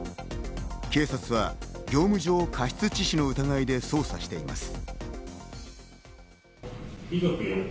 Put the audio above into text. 警察は業務上過失致死の疑いで捜査しています。